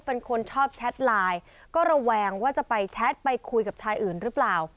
เป็นคนชอบแชทไลน์ก็ระแวงว่าจะไปแชทไปคุยกับชายอื่นหรือเปล่า